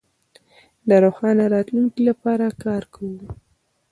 د روښانه راتلونکي لپاره کار کوو.